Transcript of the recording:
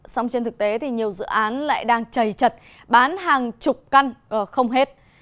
song trên thực tế nhiều dự án lại đang chày chật bán hàng chục căn không hết